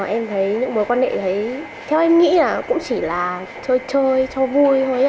em thấy những mối quan hệ đấy theo em nghĩ là cũng chỉ là chơi cho vui thôi